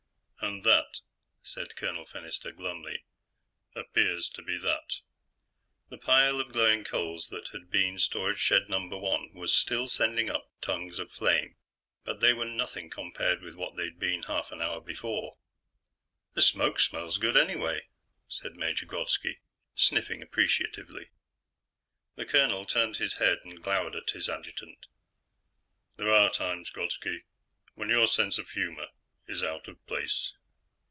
_ "And that," said Colonel Fennister glumly, "appears to be that." The pile of glowing coals that had been Storage Shed Number One was still sending up tongues of flame, but they were nothing compared with what they'd been half an hour before. "The smoke smells good, anyway," said Major Grodski, sniffing appreciatively. The colonel turned his head and glowered at his adjutant. "There are times, Grodski, when your sense of humor is out of place."